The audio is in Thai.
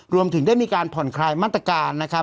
รวมถึงได้มีการผ่อนคลายมาตรการนะครับ